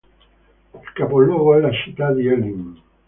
Il capoluogo è la città di Elim.